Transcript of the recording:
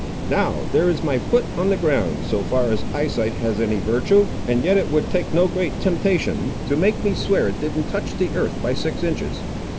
Now there is my foot on the ground, so far as eye sight has any virtue, and yet it would take no great temptation to make me swear it didn't touch the earth by six inches.